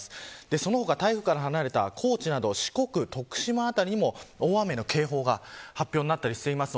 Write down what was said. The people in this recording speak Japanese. その他、台風から離れた高知など四国、徳島辺りにも大雨の警報が発表になっています。